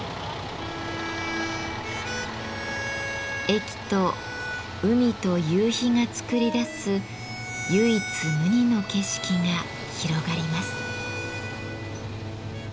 駅と海と夕日が作り出す唯一無二の景色が広がります。